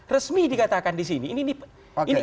resmi dikatakan disini ini